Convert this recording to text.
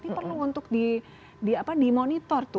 ini perlu untuk dimonitor tuh